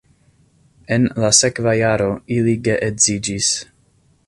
En la sekva jaro ili geedziĝis.